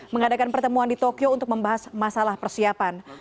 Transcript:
mengadakan pertemuan di tokyo untuk membahas masalah persiapan